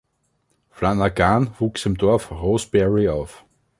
Flanagan wuchs im Dorf Rosebery auf.